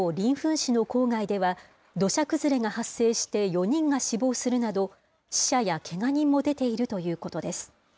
市の郊外では、土砂崩れが発生して４人が死亡するなど、死者やけが人も出ているということです。